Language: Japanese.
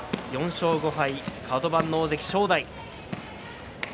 ４勝５敗、カド番の大関正代。